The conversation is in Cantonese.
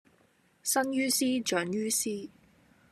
生於斯，長於斯